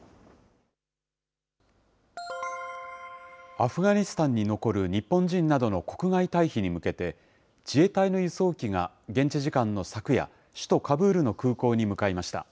アフガニスタンに残る日本人などの国外退避に向けて、自衛隊の輸送機が現地時間の昨夜、首都カブールの空港に向かいました。